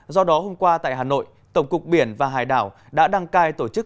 do đó hôm qua tại hà nội tổng cục biển và hải đảo đã đăng cai tổ chức